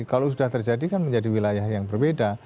kalau sudah terjadi kan menjadi wilayah yang berbeda